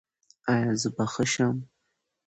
ایا زه به ښه شم؟